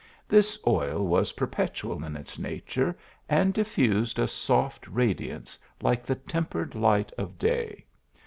This oil was perpetual in its nature, and diffused a soft radi ance like the tempered light of day.